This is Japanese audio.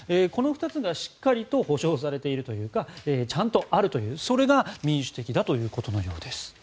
この２つがしっかりと保証されているというかちゃんとあるというのがそれが民主的だということです。